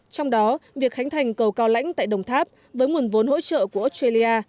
trong đó việc khánh thành cầu cao lãnh tại đồng tháp với nguồn vốn hỗ trợ của australia